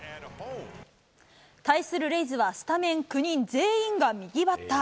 対するレイズはスタメン９人全員が右バッター。